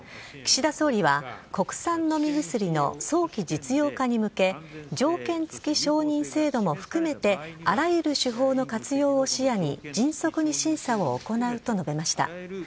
岸田総理は、国産飲み薬の早期実用化に向け、条件付き承認制度も含めて、あらゆる手法の活用を視野に迅速に審査を行うと述べました。